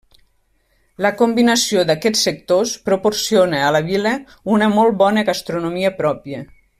La combinació d'aquests sectors proporciona a la vila una molt bona gastronomia pròpia.